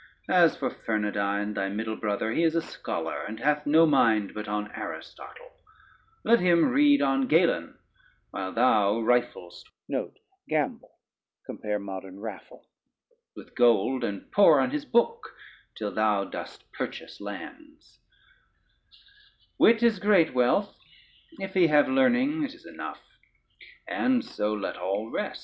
As for Fernandyne, thy middle brother, he is a scholar and hath no mind but on Aristotle: let him read on Galen while thou riflest with gold, and pore on his book till thou dost purchase lands: wit is great wealth; if he have learning it is enough: and so let all rest."